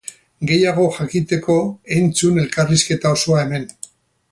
Gehiago jakiteko, entzun elkarrizketa osoa hemen.